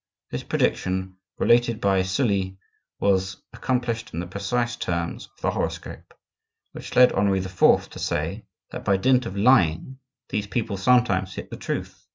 This prediction, related by Sully, was accomplished in the precise terms of the horoscope; which led Henri IV. to say that by dint of lying these people sometimes hit the truth.